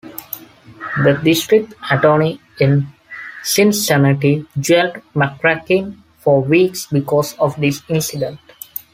The district attorney in Cincinnati jailed McCrackin for weeks because of this incident.